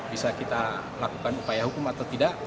bisa kita lakukan upaya hukum atau tidak